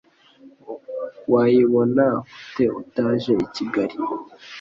wayibona ute utaje ikigali